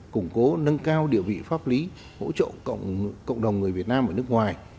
củng cố nâng cao địa vị pháp lý hỗ trợ cộng đồng người việt nam ở nước ngoài